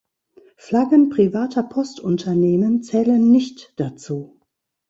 Flaggen privater Postunternehmen zählen nicht dazu.